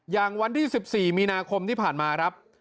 อย่างวันที่๑๔มีนาคมที่ผ่านมาครับ